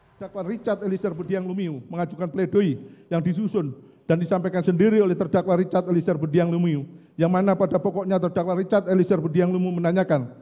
terdakwa richard eliezer budianglumiu mengajukan play doh yang disusun dan disampaikan sendiri oleh terdakwa richard eliezer budianglumiu yang mana pada pokoknya terdakwa richard eliezer budianglumiu menanyakan